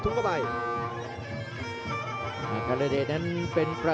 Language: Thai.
ชาเลน์